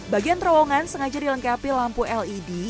bagian terowongan sengaja dilengkapi lampu led